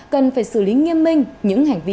cần phải xử lý nghiêm minh những hành vi